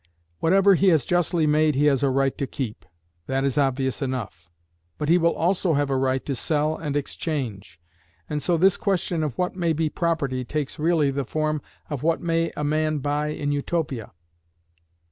Whatever he has justly made he has a right to keep, that is obvious enough; but he will also have a right to sell and exchange, and so this question of what may be property takes really the form of what may a man buy in Utopia?